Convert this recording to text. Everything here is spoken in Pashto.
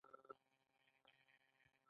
هغه به د ناراحتۍ احساس کوي.